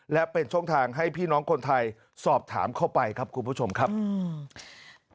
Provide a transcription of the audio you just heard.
และเป็นช่องทางให้พี่น้องคนไทยสอบถามเข้าไปครับคุณผู้ชมครับอืม